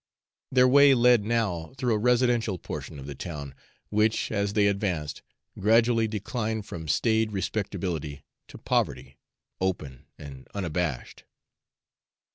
Their way led now through a residential portion of the town, which, as they advanced, gradually declined from staid respectability to poverty, open and unabashed.